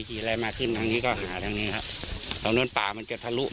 ขี่อะไรมาขึ้นทางนี้ก็หาทางนี้ครับทางนู้นป่ามันจะทะลุ